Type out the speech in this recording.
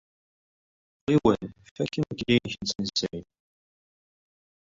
Ɣiwel, fak imekli-nnek n tnezzayt.